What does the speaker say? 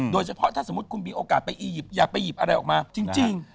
โดยเฉพาะถ้าสมมุติคุณมีโอกาสไปอียิปต์อย่าไปหยิบอะไรออกมาจริง